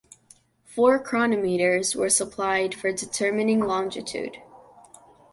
Four chronometers were supplied for determining longitude.